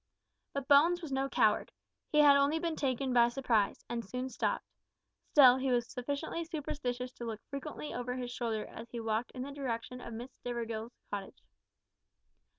But Bones was no coward. He had only been taken by surprise, and soon stopped. Still, he was sufficiently superstitious to look frequently over his shoulder as he walked in the direction of Miss Stivergill's Cottage.